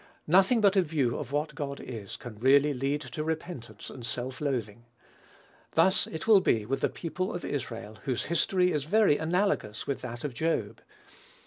Nothing but a view of what God is, can really lead to repentance and self loathing. Thus it will be with the people of Israel, whose history is very analogous with that of Job.